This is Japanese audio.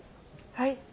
はい。